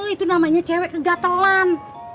itu namanya cewek kegatelan